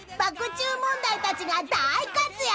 チュー問題たちが大活躍］